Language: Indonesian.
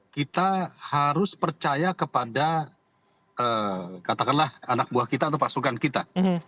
kita harus percaya kepada katakanlah anak buah kita atau pasukan kita